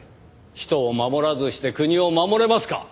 人を守らずして国を守れますか！